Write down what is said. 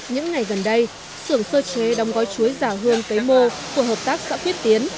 những ngày gần đây xưởng sơ chế đong gói chuối già hương cấy mô của hợp tác xã quyết tiến